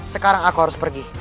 sekarang aku harus pergi